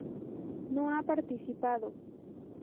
No ha participado.